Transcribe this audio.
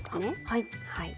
はい。